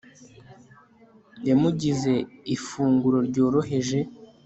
yamugize ifunguro ryoroheje